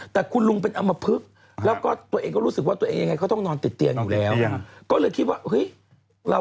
ทุกวันนี้มันต่อได้